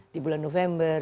di bulan november